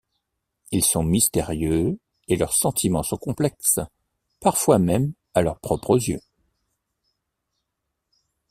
Ils sont mystérieux et leurs sentiments sont complexes, parfois même à leurs propres yeux.